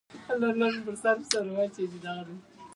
جګر تر ټولو لوی داخلي غړی دی.